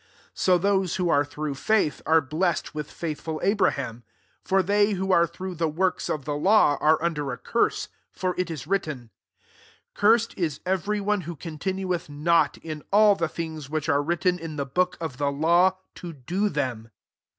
^ 9 So those who are through fidth, are blessed with fisdthful Abra ham. 10 For they who are through the works of the law, are under a curse : for it is writ ten, " Cursed ia every one who continueth not in all the things which are written in the book of the law, to do them."